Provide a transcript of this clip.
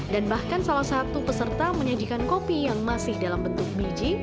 dan bahkan salah satu peserta menyajikan kopi yang masih dalam bentuk biji